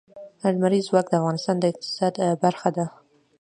لمریز ځواک د افغانستان د اقتصاد برخه ده.